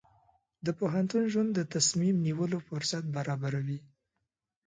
د پوهنتون ژوند د تصمیم نیولو فرصت برابروي.